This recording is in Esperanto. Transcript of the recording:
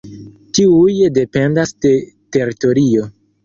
Tiuj dependas de teritorio.